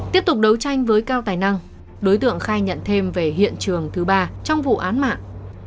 tiếp tục đấu tranh với cao tài năng đối tượng khai nhận thêm về hiện trường thứ ba trong vụ án mạng